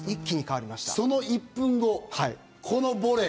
その１分後、このボレー。